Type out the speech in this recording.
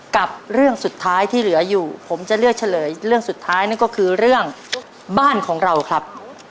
กับเรื่องสุดท้ายที่เหลืออยู่ผมจะเลือกเฉลยเรื่องสุดท้ายนั่นก็คือเรื่องบ้านของเราครับ